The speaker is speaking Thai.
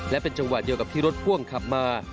และเป็นจังหวะเดียวกับที่รถพ่วงขับมา